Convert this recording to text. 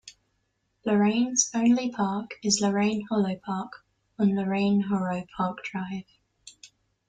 Lorane's only park is Lorane Hollow Park on Lorane Hollow Park Drive.